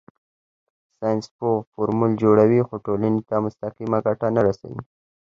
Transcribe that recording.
ساینسپوه فورمول جوړوي خو ټولنې ته مستقیمه ګټه نه رسوي.